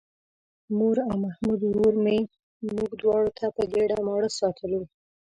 مور او محمود ورور مې موږ دواړه په ګېډه ماړه ساتلو.